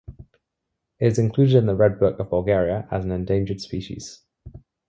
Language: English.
It is included in the Red Book of Bulgaria as an endangered species.